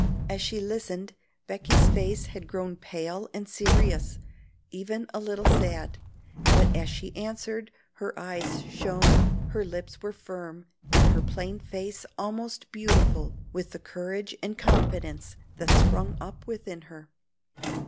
As she listened, Becky's face had grown pale and serious, even a little sad; but as she answered, her eyes shone, her lips were firm, and her plain face almost beautiful with the courage and confidence that sprung up within her.